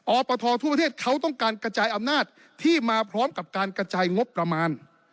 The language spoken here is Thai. อปททั่วประเทศเขาต้องการกระจายอำนาจที่มาพร้อมกับการกระจายงบประมาณ